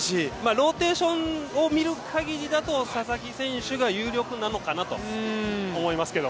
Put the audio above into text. ローテーションを見るかぎりだと、佐々木選手が有力なのかなと思いますけど。